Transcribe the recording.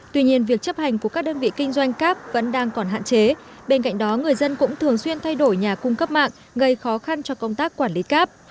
tuy nhiên việc chấp hành của các đơn vị kinh doanh cáp vẫn đang còn hạn chế bên cạnh đó người dân cũng thường xuyên thay đổi nhà cung cấp mạng gây khó khăn cho công tác quản lý cap